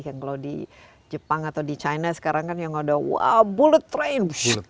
kalau di jepang atau di china sekarang kan yang ada bullet train